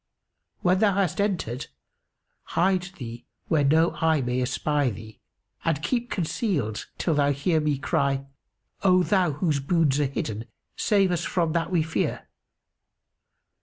When thou hast entered, hide thee where no eye may espy thee and keep concealed till thou hear me cry, 'O Thou whose boons are hidden, save us from that we fear!